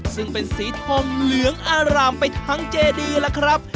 ซึ่งเป็นสีทองเหลืองอารามไปทั้งเจดีล่ะครับ